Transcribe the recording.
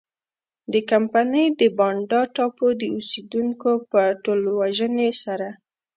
د کمپنۍ د بانډا ټاپو د اوسېدونکو په ټولوژنې سره.